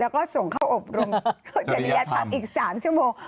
ก็ส่งเข้าอบรมจริยธรรมอีก๓ชั่วโมง